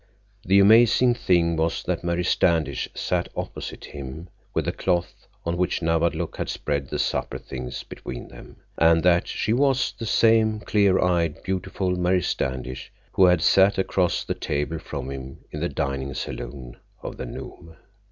The amazing thing was that Mary Standish sat opposite him, with the cloth on which Nawadlook had spread the supper things between them, and that she was the same clear eyed, beautiful Mary Standish who had sat across the table from him in the dining salon of the Nome.